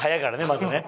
まずね。